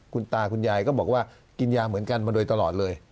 คุณตาคุณยายก็บอกว่ากินยาเหมือนกันมาโดยตลอดเลย